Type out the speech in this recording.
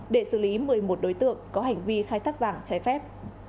để xử lý một mươi một đối tượng có hành vi khai thác vàng trái phép